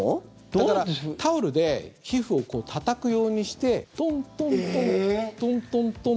だから、タオルで皮膚をたたくようにしてトントントン、トントントン。